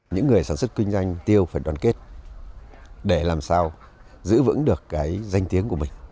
những người sản xuất kinh doanh tiêu phải đoàn kết để làm sao giữ vững được cái danh tiếng của mình